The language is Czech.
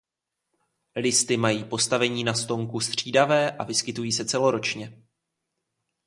Listy mají postavení na stonku střídavé a vyskytují se celoročně.